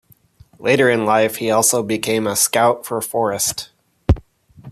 Later in life, he also became a scout for Forest.